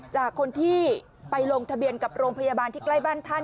จากคนที่ไปลงทะเบียนกับโรงพยาบาลที่ใกล้บ้านท่าน